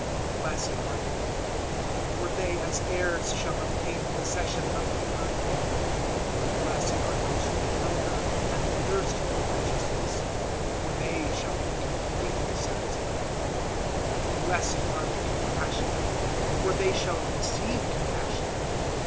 005:005 "Blessed are the meek, for they as heirs shall obtain possession of the earth. 005:006 "Blessed are those who hunger and thirst for righteousness, for they shall be completely satisfied. 005:007 "Blessed are the compassionate, for they shall receive compassion.